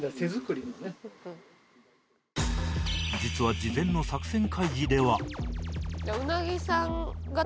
実は事前の作戦会議では